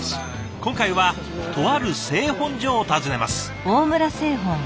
今回はとある製本所を訪ねます。